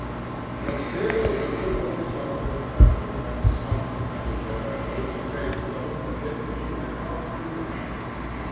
But still the good old sculptor murmured, and stumbled, as it were, over the gravestones amid which he had walked through life.